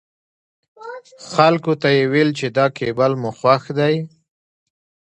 خلکو ته يې ويل چې دا کېبل مو خوښ دی.